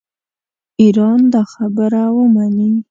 ایران دا خبره ومني.